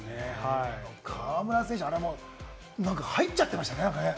河村選手、あれも入っちゃってましたね。